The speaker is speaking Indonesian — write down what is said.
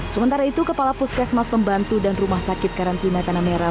sementara itu kepala puskesmas pembantu dan rumah sakit karantina tanah merah